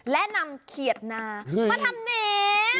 และนำเขียดหน้ามาทำแหนม